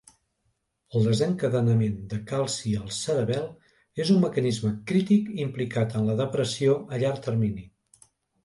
El desencadenament de calci al cerebel és un mecanisme crític implicat en la depressió a llarg termini.